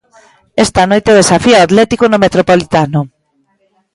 Esta noite desafía o Atlético no Metropolitano.